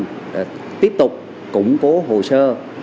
hà đã làm những điều này để tiếp tục củng cố hồ sơ